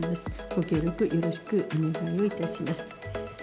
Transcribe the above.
ご協力よろしくお願いをいたします。